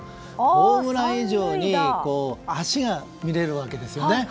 ホームラン以上に足が見れるわけですよね。